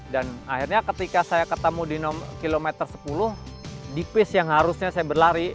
dan akhirnya ketika saya ketemu di kilometer sepuluh di pace yang harusnya saya berlari